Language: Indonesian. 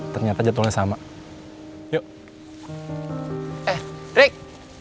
ternyata jatuh sama yuk rick